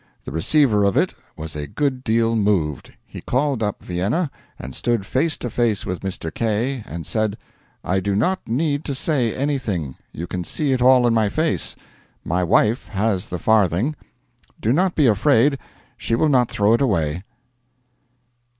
The receiver of it was a good deal moved. He called up Vienna, and stood face to face with Mr. K., and said: 'I do not need to say anything: you can see it all in my face. My wife has the farthing. Do not be afraid she will not throw it away.'